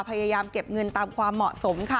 พยายามเก็บเงินตามความเหมาะสมค่ะ